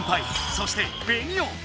そしてベニオ。